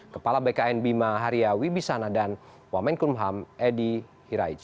kepala bkn bima haria wibisana dan wamenkunumham edy hiraichi